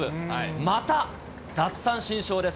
また奪三振ショーです。